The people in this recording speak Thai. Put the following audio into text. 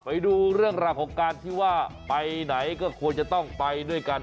ไปดูเรื่องราวของการที่ว่าไปไหนก็ควรจะต้องไปด้วยกัน